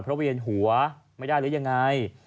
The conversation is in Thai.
เพราะเวียนหัวไม่ได้หรือยังไง